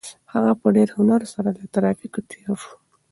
هغه په ډېر هنر سره له ترافیکو تېر شو.